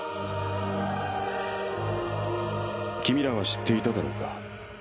「君らは知っていただろうか」